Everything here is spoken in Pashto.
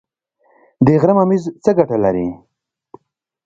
د غره ممیز څه ګټه لري؟